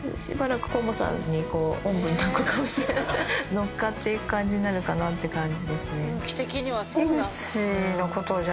乗っかっていく感じになるかなって感じですね。